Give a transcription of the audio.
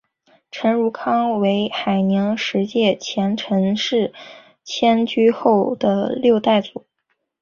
陈汝康为海宁十庙前陈氏迁居后的六代祖。